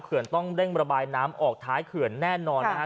ต้องเร่งระบายน้ำออกท้ายเขื่อนแน่นอนนะฮะ